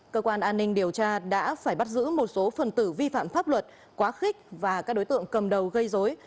cơ quan an ninh điều tra đã phải bắt giữ một số phần tử vi phạm pháp luật quá khích và các đối tượng cầm đầu gây dối